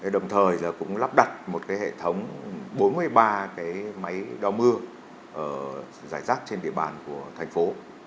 đồng thời cũng lắp đặt một hệ thống bốn mươi ba máy đo mưa giải rác trên địa bàn của thành phố